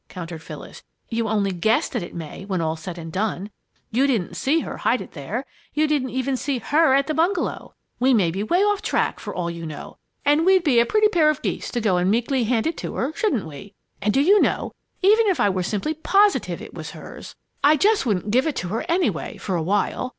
countered Phyllis. "You only guess that it may, when all's said and done. You didn't see her hide it there you didn't even see her at the bungalow. We may be way off the track, for all you know, and we'd be a pretty pair of geese to go and meekly hand it to her, shouldn't we! And do you know, even if I was simply positive it was hers, I just wouldn't give it to her, anyway, for a while.